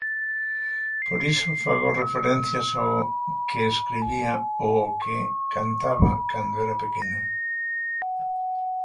Por iso fago referencias ao que escribía ou o que cantaba cando era pequena.